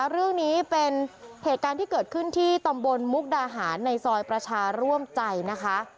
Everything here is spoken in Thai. เรื่องนี้เป็นเหตุการณ์ที่เกิดขึ้นที่ตำบลมุกดาหารในซอยประชาร่วมใจนะคะ